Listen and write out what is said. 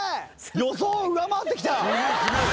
予想を上回ってきた！